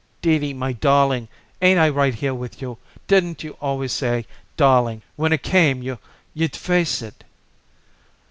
"Dee Dee, my darling, ain't I right here with you? Didn't you always say, darling, when it came you you'd face it?"